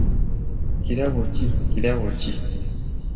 Kirabo ki, kirabo ki ?